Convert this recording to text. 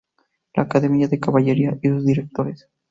La Academia de Caballería y sus directores.